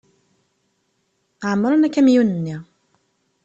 Ԑemmren akamyun-nni.